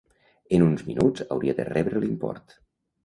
En uns minuts hauria de rebre l'import.